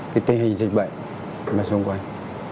cái tình hình dịch bệnh mà xung quanh